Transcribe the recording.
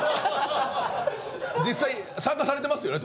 実際参加されてますよね？